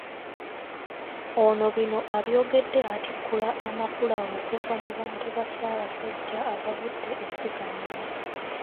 Ono bino abyogedde atikkula Amakula okuva mu bantu ba Ssaabasajja abavudde e Ssekanyonyi